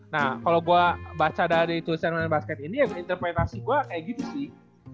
nah kalau gue baca dari tursional basket ini emang interpretasi gue kayak gitu sih